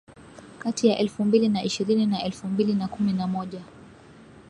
kati ya elfu mbili na ishirini na elfu mbili na kumi na moja